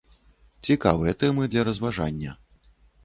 Цікавыя тэмы для разважання.